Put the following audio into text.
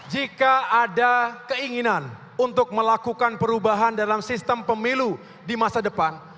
jika ada keinginan untuk melakukan perubahan dalam sistem pemilu di masa depan